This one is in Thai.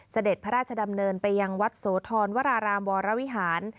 เสด็จพระราชดำเนินไปยังวัดโสธรวรารามวรวิหาร